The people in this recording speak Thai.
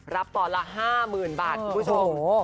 รับต่อละ๕๐๐๐๐บาทคุณผู้ชม